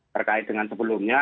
berkait dengan sebelumnya